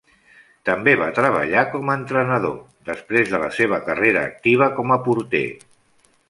També va treballar com a entrenador després de la seva carrera activa com a porter.